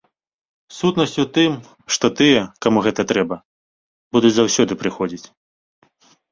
Сутнасць у тым, што тыя, каму гэта трэба, будуць заўсёды прыходзіць.